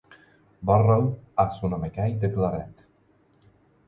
Borrow és un home gai declarat.